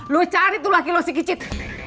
lu cari tuh laki lu si kicit